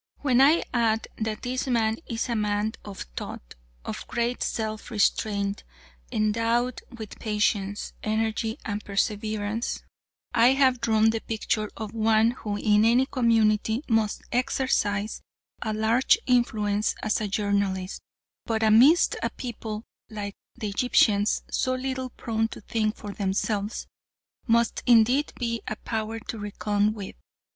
When I add that this man is a man of thought, of great self restraint, endowed with patience, energy, and perseverance, I have drawn the picture of one who, in any community, must exercise a large influence as a journalist, but amidst a people like the Egyptians, so little prone to think for themselves, must indeed be a power to reckon with.